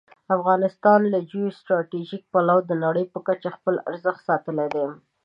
افغانستان له جیو سټراټژيک پلوه د نړۍ په کچه خپل ارزښت ساتلی دی.